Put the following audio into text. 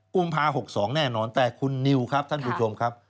กุมภา๖๒แน่นอนแต่คุณนิวครับท่านผู้ชมครับ